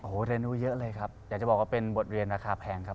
โอ้โหเรียนรู้เยอะเลยครับอยากจะบอกว่าเป็นบทเรียนราคาแพงครับ